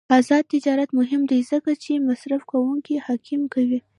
آزاد تجارت مهم دی ځکه چې مصرفکونکي حاکم کوي.